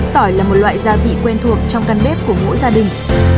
tỏi là một loại gia vị quen thuộc trong căn bếp của mỗi gia đình